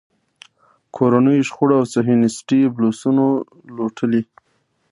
کورنیو شخړو او صیهیونېستي بلوسنو لوټلی.